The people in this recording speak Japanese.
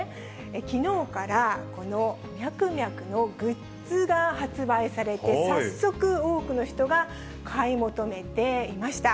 きのうからこのミャクミャクのグッズが発売されて、早速、多くの人が買い求めていました。